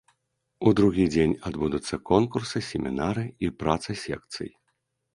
У другі дзень адбудуцца конкурсы, семінары і праца секцый.